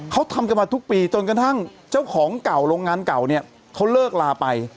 เขาทำกันมาทุกปีจนกระทั่งเจ้าของเก่าโรงงานเก่าเนี่ยเขาเลิกลาไป